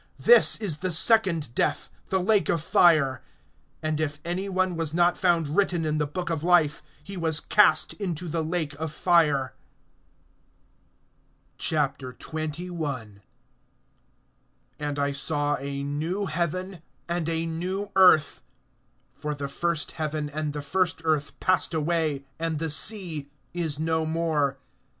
This is the second death, the lake of fire. (15)And if any one was not found written in the book of life, he was cast into the lake of fire. XXI. AND I saw a new heaven and a new earth; for the first heaven and the first earth passed away, and the sea is no more.